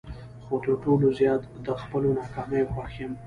خو تر ټولو زیات د خپلو ناکامیو خوښ یم.